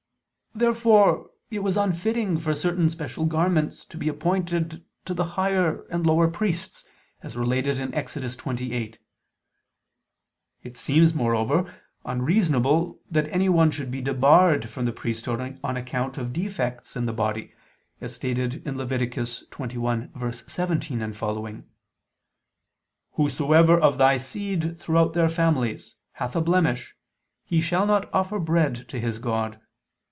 Therefore it was unfitting for certain special garments to be appointed to the higher and lower priests, as related in Ex. 28 [*Cf. Lev. 8:7, seqq.]. It seems, moreover, unreasonable that anyone should be debarred from the priesthood on account of defects in the body, as stated in Lev. 21:17, seqq.: "Whosoever of thy seed throughout their families, hath a blemish, he shall not offer bread to his God